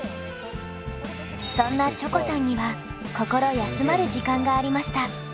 そんなチョコさんには心休まる時間がありました。